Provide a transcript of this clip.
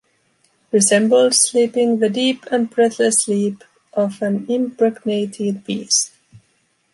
Resembled sleeping the deep and breathless sleep of a impregnated beast.